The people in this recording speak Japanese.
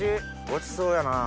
ごちそうやな。